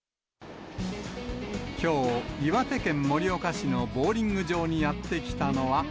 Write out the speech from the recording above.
きょう、岩手県盛岡市のボウリング場にやって来たのは。